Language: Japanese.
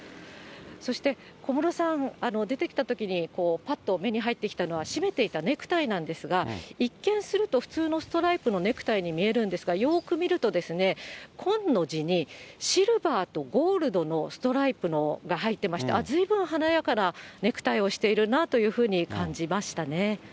そして、小室さん、出てきたときに、ぱっと目に入ってきたのは、締めていたネクタイなんですが、一見すると、普通のストライプのネクタイに見えるんですが、よく見ると、紺の地にシルバーとゴールドのストライプが入ってまして、ずいぶん華やかなネクタイをしているなというふうに感じましたね。